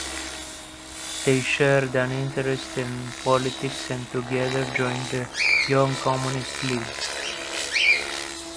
They shared an interest in politics and together joined the Young Communist League.